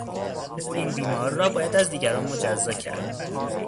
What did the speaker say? این بیمار را باید از دیگران مجزا کرد.